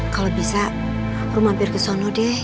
kalo bisa rumah mampir ke sono deh ya